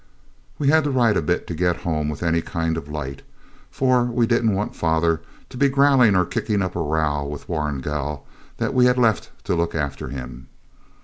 We had to ride a bit to get home with any kind of light, for we didn't want father to be growling or kicking up a row with Warrigal that we left to look after him.